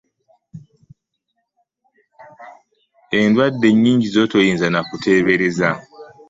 Endwadde nyingi z'otoyinza n'akutebereza.